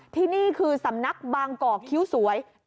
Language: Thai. ที่นี่คือสำนักบางกอกคิ้วสวย